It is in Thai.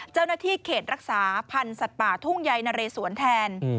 เจ้าหน้าที่เขตรักษาพันธ์สัตว์ป่าทุ่งใยนะเรสวนแทน